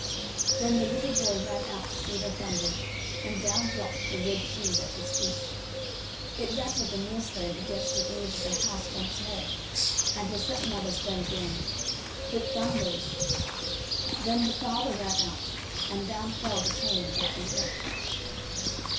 Then the little boy ran out to see the thunder, and down dropped the red shoes at his feet. It rattled the millstone against the eaves of the house once more, and the stepmother said again: "It thunders." Then the father ran out and down fell the chain about his neck.